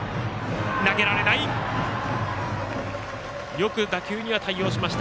よく打球には対応しました。